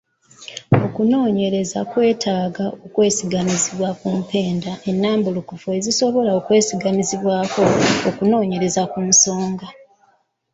Okunoonyereza kwetaaga okwesigamizibwa ku mpenda ennambulukufu ezisobola okuyimwako okwekaliriza ensonga.